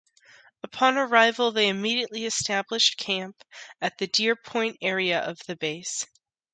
Upon arrival they immediately established camp at the Deer Point area of the base.